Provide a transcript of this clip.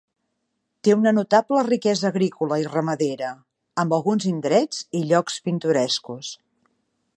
Té una notable riquesa agrícola i ramadera, amb alguns indrets i llocs pintorescos.